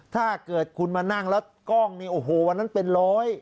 ถ้าเกิดคุณมานั่งแล้วกล้องเนี่ยโอ้โหวันนั้นเป็นร้อย